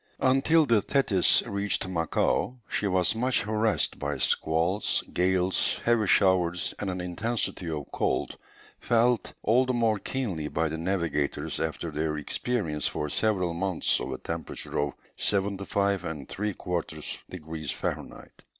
Until the Thetis reached Macao, she was much harassed by squalls, gales, heavy showers, and an intensity of cold, felt all the more keenly by the navigators after their experience for several months of a temperature of 75 3/4 degrees Fahrenheit.